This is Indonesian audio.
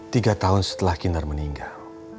tiga tahun setelah kinar meninggal